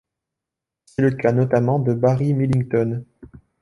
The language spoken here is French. C'est le cas notamment de Barry Millington.